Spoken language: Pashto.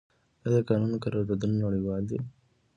آیا د کانونو قراردادونه نړیوال دي؟